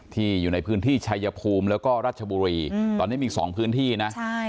อยู่ในพื้นที่ชายภูมิแล้วก็ราชบุรีตอนนี้มี๒พื้นที่นะ